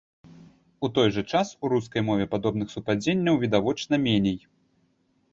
У той жа час, у рускай мове падобных супадзенняў відавочна меней.